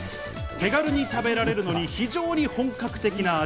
手軽に食べられるのに非常に本格的な味。